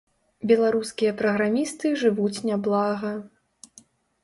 Беларускія праграмісты жывуць няблага.